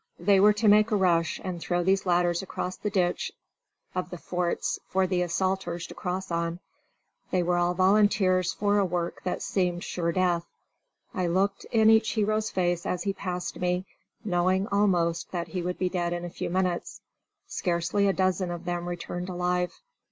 They were to make a rush and throw these ladders across the ditch of the forts for the assaulters to cross on. They were all volunteers for a work that seemed sure death. I looked in each hero's face as he passed me, knowing almost that he would be dead in a few minutes. Scarcely a dozen of them returned alive.